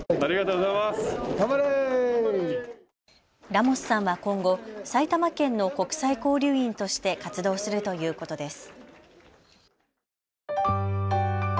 ラモスさんは今後埼玉県の国際交流員として活動するということです。